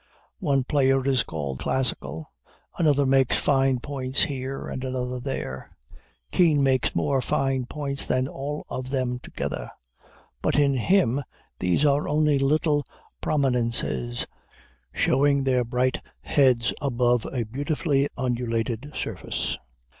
One player is called classical; another makes fine points here, and another there; Kean makes more fine points than all of them together; but in him these are only little prominences, showing their bright heads above a beautifully undulated surface.